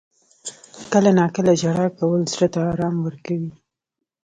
• کله ناکله ژړا کول زړه ته آرام ورکوي.